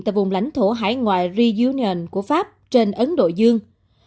tại vùng lãnh thổ hải ngoại reunion của pháp trên ấn độ dương